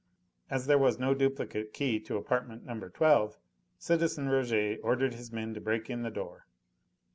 As there was no duplicate key to apartment No. 12, citizen Rouget ordered his men to break in the door.